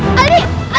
gol yang tak